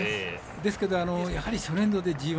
ですけど、やはり初年度でＧＩ